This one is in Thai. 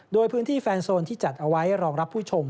โดยพื้นที่แฟนโซนที่จัดเอาไว้รองรับผู้ชม